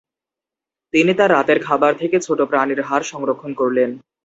তিনি তার রাতের খাবার থেকে ছোট প্রাণীর হাড় সংরক্ষণ করলেন।